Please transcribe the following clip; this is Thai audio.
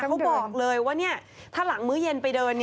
เขาบอกเลยว่าถ้าหลังมื้อเย็นไปเดิน